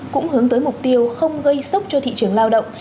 cũng hướng tới mục tiêu không gây sốc cho thị trường lao động